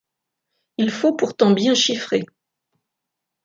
Il faut pourtant bien chiffrer…